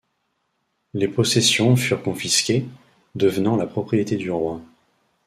Les possessions furent confisquées, devenant la propriété du roi.